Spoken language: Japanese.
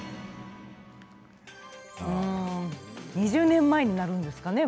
２０年前になるんですかね